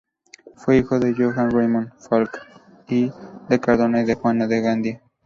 Fue hijo de Joan Ramon Folc I de Cardona y de Juana de Gandia.